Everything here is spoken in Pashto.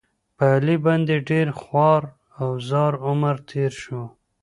په علي باندې ډېر خوار او زار عمر تېر شو.